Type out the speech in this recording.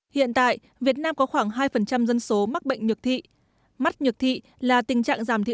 hiện tại việt nam có khoảng hai dân số mắc bệnh nhược thị mắt nhược thị là tình trạng giảm thị